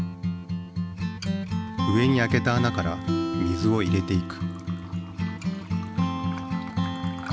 上に開けた穴から水を入れていく。